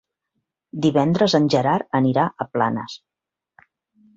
Divendres en Gerard anirà a Planes.